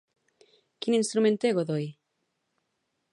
Quin instrument té Godoy?